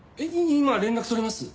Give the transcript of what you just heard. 今連絡取れます？